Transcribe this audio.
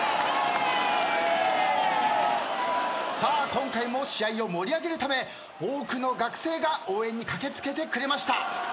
今回も試合を盛り上げるため多くの学生が応援に駆け付けてくれました。